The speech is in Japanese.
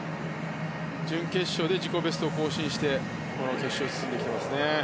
準決勝で自己ベストを更新して決勝へ進んできていますね。